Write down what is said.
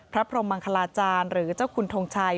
พระพรมมังคลาจารย์หรือเจ้าคุณทงชัย